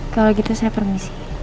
kalau gitu saya permisi